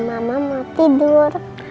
mama mau tidur